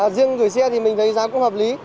riêng gửi xe thì mình thấy giá cũng hợp lý